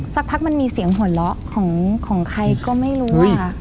สักพักมันมีเสียงหัวเราะของใครก็ไม่รู้ค่ะ